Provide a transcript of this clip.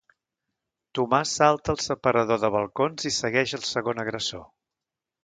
Tomàs salta el separador de balcons i segueix el segon agressor.